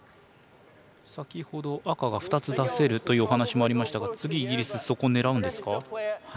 先ほど赤が２つ出せるというお話もありましたが次、イギリスそこを狙うんですか。